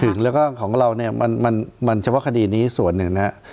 ถึงแล้วก็ของเราเนี่ยมันเฉพาะคดีนี้ส่วนหนึ่งนะครับ